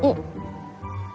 kau ingin topi ajaib ini